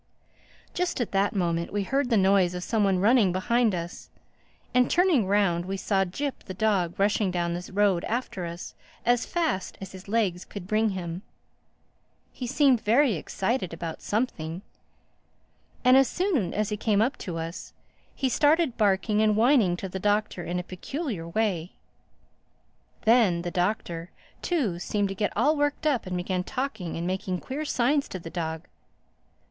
Just at that moment we heard the noise of some one running behind us; and turning round we saw Jip the dog rushing down the road after us, as fast as his legs could bring him. He seemed very excited about something, and as soon as he came up to us, he started barking and whining to the Doctor in a peculiar way. Then the Doctor too seemed to get all worked up and began talking and making queer signs to the dog.